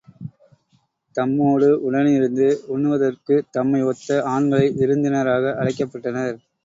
தம்மோடு உடனிருந்து உண்ணுதற்குத் தம்மை ஒத்த ஆண்களை விருந்தினராக அழைக்கப்பட்டனர்.